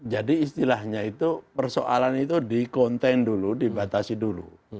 istilahnya itu persoalan itu di konten dulu dibatasi dulu